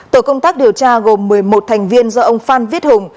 tổ công tác điều tra gồm một mươi một thành viên do ông phan viết hùng